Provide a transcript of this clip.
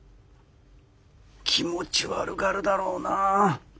気持ち悪がるだろうな。